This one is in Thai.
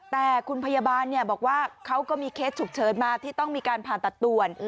แต่คุณพยาบาลบอกว่าเขาก็มีเคสฉุกเฉินมาที่ต้องมีการผ่าตัดด่วน